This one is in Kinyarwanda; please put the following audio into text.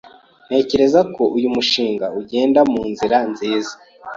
Ntekereza ko uyu mushinga ugenda munzira nziza.